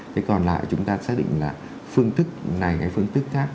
thế còn lại chúng ta xác định là phương thức này hay phương thức khác